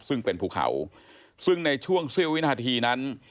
ซึ่งเป็นภูเขาซึ่งในช่วงเสี้ยววินาทีนั้น